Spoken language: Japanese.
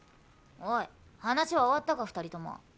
おい話は終わったか２人とも。